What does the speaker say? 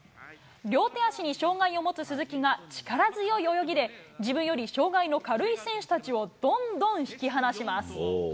両手足に障がいを持つ鈴木が、力強い泳ぎで、自分より障がいの軽い選手たちをどんどん引き離します。